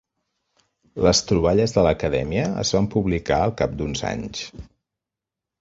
Les troballes de l'Acadèmia es van publicar al cap d'uns anys.